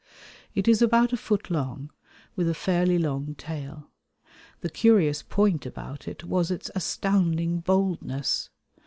It is about a foot long with a fairly long tail. The curious point about it was its astounding boldness.